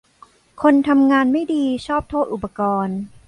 คนทำงานไม่ดีชอบโทษอุปกรณ์